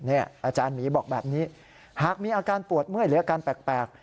อาจารย์หมีบอกแบบนี้หากมีอาการปวดเมื่อยหรืออาการแปลก